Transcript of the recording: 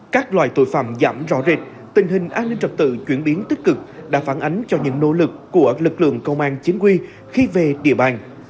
các loại tội phạm giảm rõ rệt tình hình an ninh trật tự chuyển biến tích cực đã phản ánh cho những nỗ lực của lực lượng công an chính quy khi về địa bàn